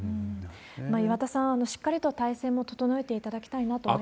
岩田さん、しっかりと体制を整えていただきたいなと思います。